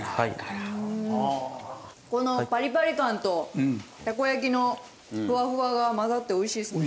このパリパリ感とたこ焼きのフワフワが混ざって美味しいですね。